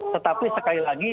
tetapi sekali lagi